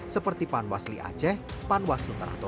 seperti panwasli aceh panwaslu teratur